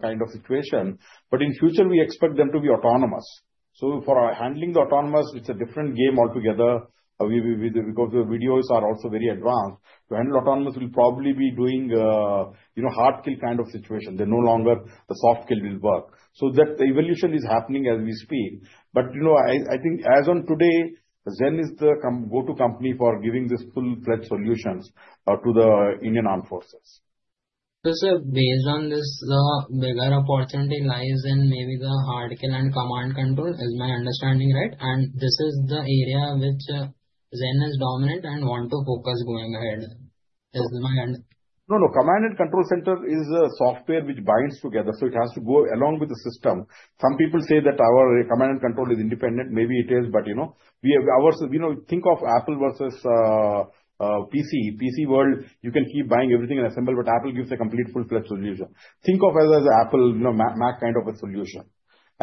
kind of situation. But in future, we expect them to be autonomous. So for handling the autonomous, it's a different game altogether because the videos are also very advanced. To handle autonomous, we'll probably be doing Hard Kill kind of situation. There, no longer the Soft Kill will work. So that evolution is happening as we speak. But I think as of today, Zen is the go-to company for giving these full-fledged solutions to the Indian armed forces. So sir, based on this, the bigger opportunity lies in maybe the hard kill and command control, is my understanding right? And this is the area which Zen is dominant and want to focus going ahead. Is my understanding? No, no. Command and Control Center is a software which binds together. So it has to go along with the system. Some people say that our command and control is independent. Maybe it is, but think of Apple versus PC. PC world, you can keep buying everything and assemble, but Apple gives a complete full-fledged solution. Think of it as Apple, Mac kind of a solution.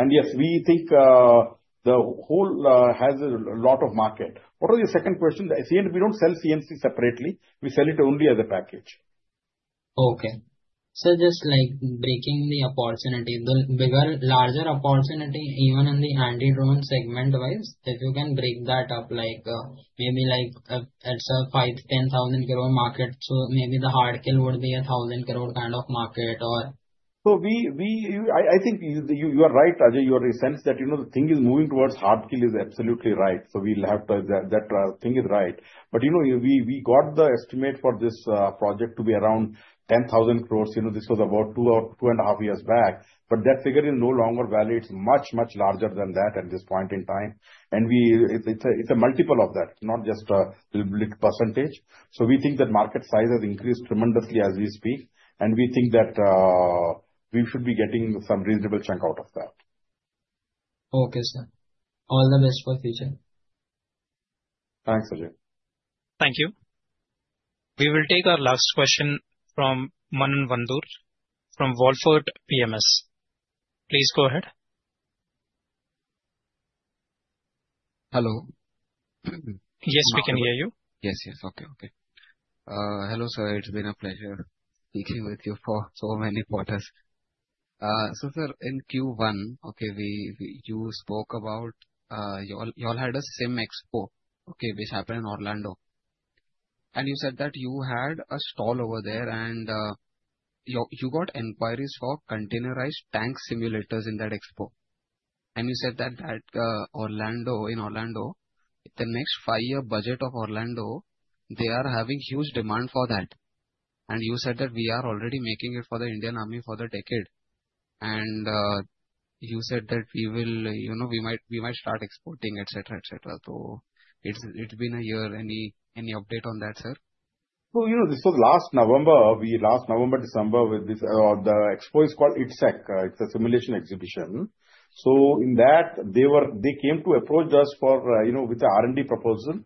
And yes, we think the whole has a lot of market. What was your second question? We don't sell C&C separately. We sell it only as a package. Okay. So just breaking the opportunity, the larger opportunity even in the anti-drone segment-wise, if you can break that up, maybe it's a 5,000-10,000 crore market. So maybe the hard kill would be a 1,000 crore kind of market or. So I think you are right, Ajay. Your sense that the thing is moving towards hard kill is absolutely right. So we'll have to. That thing is right. But we got the estimate for this project to be around 10,000 crores. This was about two and a half years back. But that figure is no longer valid. It's much, much larger than that at this point in time, and it's a multiple of that, not just a percentage. So we think that market size has increased tremendously as we speak, and we think that we should be getting some reasonable chunk out of that. Okay, sir. All the best for the future. Thanks, Ajay. Thank you. We will take our last question from Manan Vora from Wallfort PMS. Please go ahead. Hello. Yes, we can hear you. Yes, yes. Okay, okay. Hello, sir. It's been a pleasure speaking with you for so many quarters. So sir, in Q1, okay, you spoke about you all had a Sim expo, which happened in Orlando. And you said that you had a stall over there and you got inquiries for containerized tank simulators in that expo. And you said that in Orlando, the next five-year budget of Orlando, they are having huge demand for that. And you said that we are already making it for the Indian Army for the decade. And you said that we might start exporting, etc., etc. So it's been a year. Any update on that, sir? This was last November, last November, December. The expo is called I/ITSEC. It's a simulation exhibition. In that, they came to approach us with an R&D proposal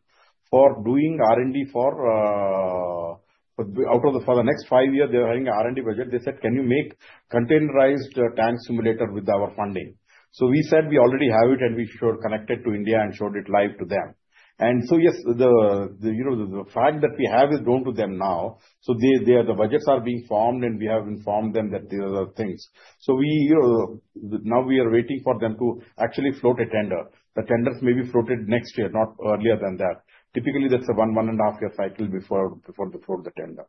for doing R&D for out of the next five years. They were having an R&D budget. They said, "Can you make containerized tank simulator with our funding?" We said we already have it and we showed connected to India and showed it live to them. Yes, the fact that we have is known to them now. The budgets are being formed and we have informed them that these are the things. Now we are waiting for them to actually float a tender. The tenders may be floated next year, not earlier than that. Typically, that's a one, one and a half year cycle before they float the tender.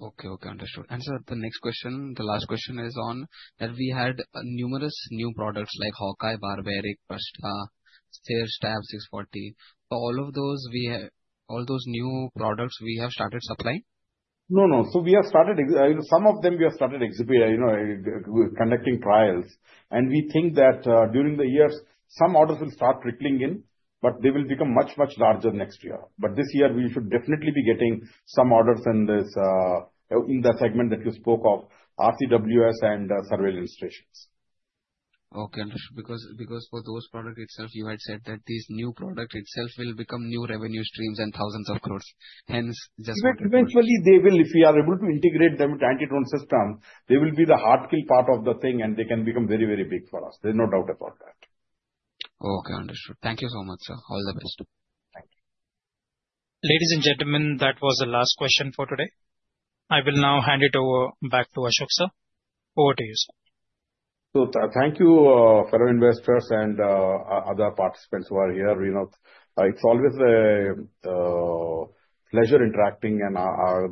Okay, okay. Understood. And sir, the next question, the last question is on that we had numerous new products like Hawkeye, Barbarik, Prahasta, Sthir Stab 640. All of those new products, we have started supplying? No, no, so we have started some of them, we have started conducting trials, and we think that during the years, some orders will start trickling in, but they will become much, much larger next year, but this year, we should definitely be getting some orders in that segment that you spoke of, RCWS and surveillance stations. Okay. Understood. Because for those products itself, you had said that these new products itself will become new revenue streams and thousands of crores. Hence, just. Eventually, they will, if we are able to integrate them into anti-drone system, they will be the hard kill part of the thing and they can become very, very big for us. There's no doubt about that. Okay. Understood. Thank you so much, sir. All the best. Thank you. Ladies and gentlemen, that was the last question for today. I will now hand it over back to Ashok sir. Over to you, sir. Thank you, fellow investors and other participants who are here. It's always a pleasure interacting. And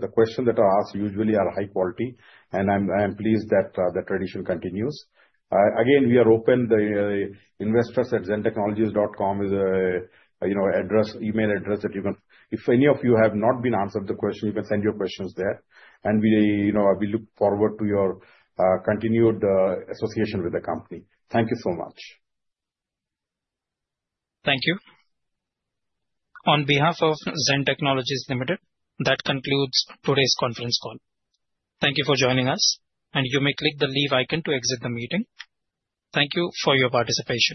the questions that are asked usually are high quality. And I'm pleased that the tradition continues. Again, we are open. The investors@zen-technologies.com is an email address that you can, if any of you have not been answered the question, you can send your questions there. And we look forward to your continued association with the company. Thank you so much. Thank you. On behalf of Zen Technologies Limited, that concludes today's conference call. Thank you for joining us, and you may click the leave icon to exit the meeting. Thank you for your participation.